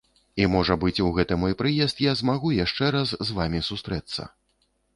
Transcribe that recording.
І, можа быць, у гэты мой прыезд я змагу яшчэ раз з вамі сустрэцца.